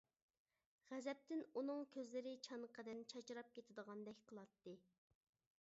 غەزەپتىن ئۇنىڭ كۆزلىرى چانىقىدىن چاچراپ كېتىدىغاندەك قىلاتتى.